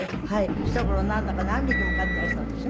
ひと頃なんだか何匹も飼っていらしたんでしょ？